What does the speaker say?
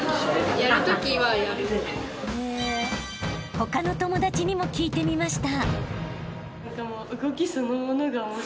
［他の友達にも聞いてみました］